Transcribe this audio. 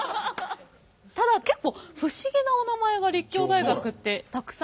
ただ結構不思議なおなまえが立教大学ってたくさんあるので。